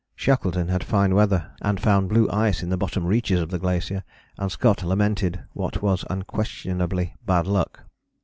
Shackleton had fine weather, and found blue ice in the bottom reaches of the glacier, and Scott lamented what was unquestionably bad luck.